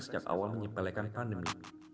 sejak awal menyepelekan pandemi